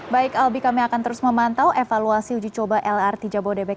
baik albi kami akan terus memantau evaluasi uji coba lrt jabodebek